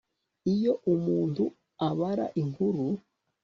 iyo umuntu abara inkuru